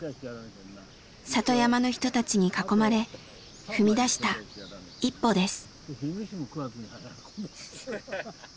里山の人たちに囲まれ踏み出した一歩です。